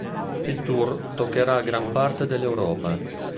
Il tour toccherà gran parte dell'Europa.